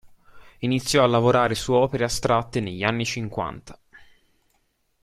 Iniziò a lavorare su opere astratte negli anni cinquanta.